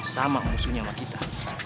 sama musuhnya sama kita